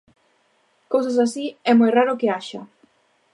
Cousas así é moi raro que haxa.